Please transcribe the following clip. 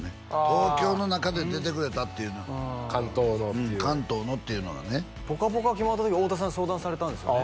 東京の中で出てくれたっていう関東のっていう関東のっていうのがね「ぽかぽか」決まった時太田さんに相談されたんですよね？